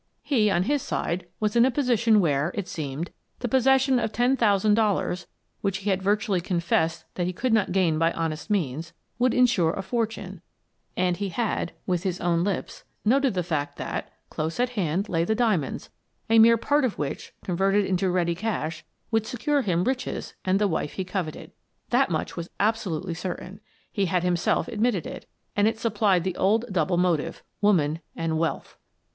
He, on his side, was in a position where, it seemed, the possession of ten thousand dollars — which he had virtually confessed that he could not gain by honest means — would ensure a fortune, and he had, with his own lips, noted the fact that, close at hand, lay the diamonds, a mere part of which, converted into ready cash, would secure him riches and the wife he coveted. That much was absolutely certain; he had himself admitted it, and it supplied the old double motive: woman and wealth.